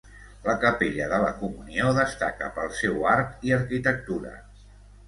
La capella de la Comunió destaca pel seu art i arquitectura.